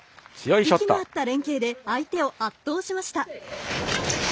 息の合った連係で相手を圧倒しました。